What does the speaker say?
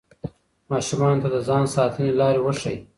ماشومانو ته د ځان ساتنې لارې وښایئ.